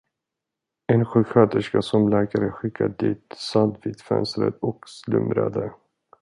En sjuksköterska, som läkaren skickat dit, satt vid fönstret och slumrade.